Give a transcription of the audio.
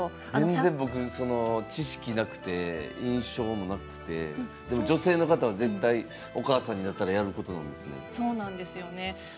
僕は全然知識がなくて印象もなくて女性の方は絶対お母さんになったらやることですよね。